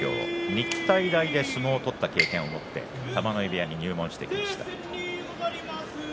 日体大で相撲を取った経験を持って玉ノ井部屋に入門してきました。